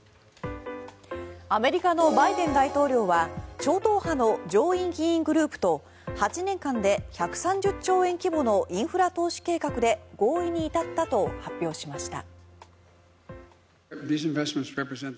アメリカのバイデン大統領は超党派の上院議員グループと８年間で１３０兆円規模のインフラ投資計画で合意に至ったと発表しました。